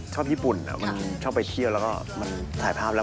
ชอบญี่ปุ่นมันชอบไปเที่ยวแล้วก็มันถ่ายภาพแล้ว